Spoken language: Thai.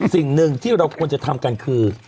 สิ่งหนึ่งที่เราควรจะทำกันคือ